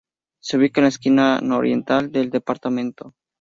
Se ubica en la esquina nororiental del departamento.